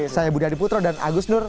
saya budi adiputro dan agus nur